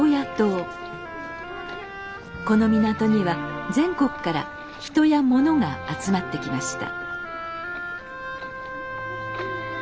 この港には全国から人やものが集まってきました。